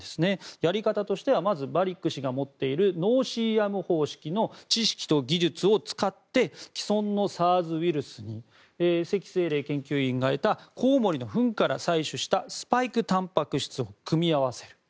やり方はまずバリック氏が持っているノーシーアム方式の知識と技術を使って既存のＳＡＲＳウイルスにセキ・セイレイ研究員が得たコウモリのフンから採取したスパイクたんぱく質を組み合わせる。